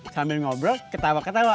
sambil ngobrol ketawa ketawa